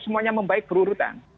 semuanya membaik berurutan